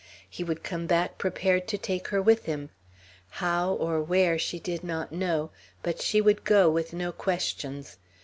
He would come back prepared to take her with him. How, or where, she did not know; but she would go with no questions.